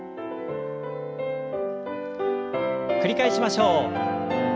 繰り返しましょう。